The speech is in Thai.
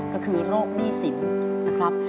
ก็คือโรคหนี้สินนะครับ